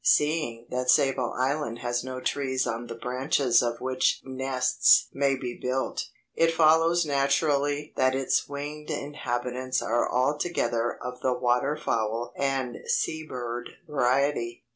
Seeing that Sable Island has no trees on the branches of which nests may be built, it follows naturally that its winged inhabitants are altogether of the water fowl and sea bird variety.